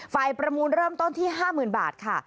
ประมูลเริ่มต้นที่๕๐๐๐บาทค่ะ